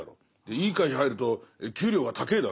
いい会社入ると給料が高ぇだろ。